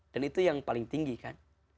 dan itu yang paling tinggi kan